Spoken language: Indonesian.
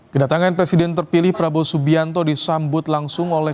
kedatangan presiden terpilih prabowo subianto disambut langsung oleh